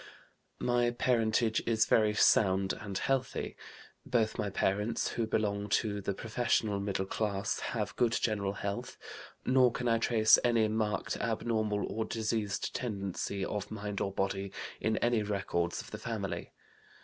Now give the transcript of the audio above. "My parentage is very sound and healthy. Both my parents (who belong to the professional middle class) have good general health; nor can I trace any marked abnormal or diseased tendency, of mind or body, in any records of the family.